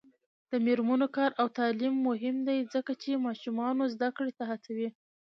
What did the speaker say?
د میرمنو کار او تعلیم مهم دی ځکه چې ماشومانو زدکړې ته هڅوي.